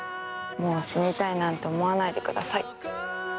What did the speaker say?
もう死にたいなんて思わないでください。